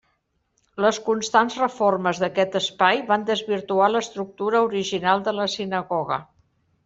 Les constants reformes d'aquest espai van desvirtuar l'estructura original de la sinagoga.